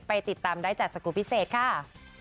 ติดตามได้จากสกูลพิเศษค่ะ